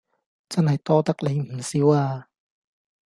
真係多得你唔少啊